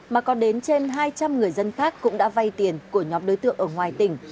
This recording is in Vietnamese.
mà có đến trên hai trăm linh người dân khác cũng đã vay tiền của nhóm đối tượng ở ngoài tỉnh